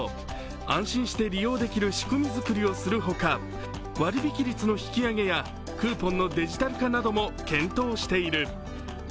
安心して利用できる仕組み作りをする他割引率の引き上げやクーポンのデジタル化なども検討している。